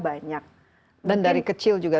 banyak dan dari kecil juga